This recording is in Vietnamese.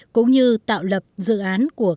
cũng như tạo lợi cho các quốc gia